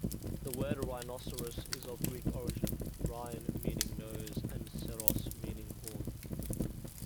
The word "rhinoceros" is of Greek origin; "rhin" meaning "nose", and "ceros" meaning "horn".